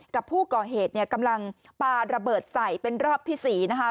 กับผู้ก่อเหตุเนี่ยกำลังปาระเบิดใส่เป็นรอบที่๔นะคะ